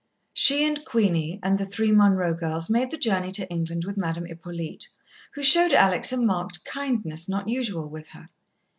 She and Queenie and the three Munroe girls made the journey to England with Madame Hippolyte, who showed Alex a marked kindness not usual with her.